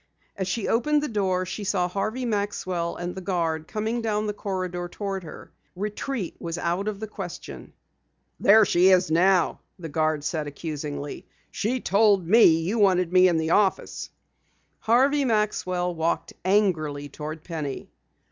As she opened the door she saw Harvey Maxwell and the guard coming down the corridor toward her. Retreat was out of the question. "There she is now!" said the guard, accusingly. "She told me you wanted me in the office." Harvey Maxwell walked angrily toward Penny.